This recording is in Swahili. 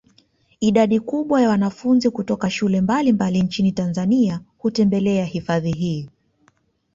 Idadi kubwa ya wanafunzi kutoka shule mbalimbali nchini Tanzania hutembelea hifadhi hii